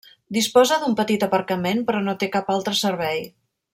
Disposa d'un petit aparcament però no té cap altre servei.